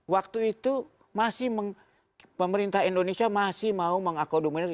waktu itu masih pemerintah indonesia masih mau mengakodominasi